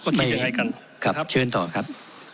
ได้ยินต่อกัน